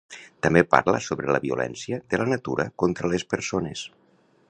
També parla sobre la violència de la natura contra les persones.